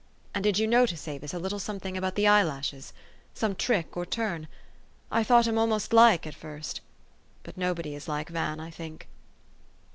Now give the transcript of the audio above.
" And did you notice, Avis, a little something about the eyelashes ? some trick or turn ? I thought him almost like, at first. But nobody is like Van, I think.